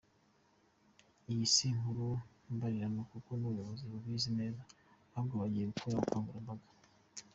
Iyi si inkuru mbarirano kuko n’ubuyobozi bubizi neza ahubwo bugiye gukora ubukangurambaga.